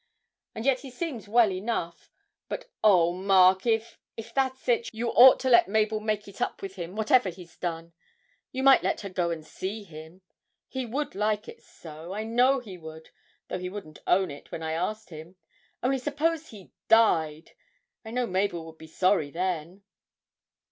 And yet he seems well enough. But oh, Mark, if if it's that, you ought to let Mabel make it up with him, whatever he's done. You might let her go and see him he would like it so, I know he would, though he wouldn't own it when I asked him. Only suppose he died! I know Mabel would be sorry then!'